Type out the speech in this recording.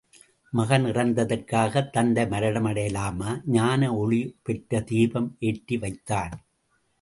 மகன் இறந்தற்காகத் தந்தை மரணம் அடையலாமா? ஞான ஒளி பெறத் தீபம் ஏற்றி வைத்தான்.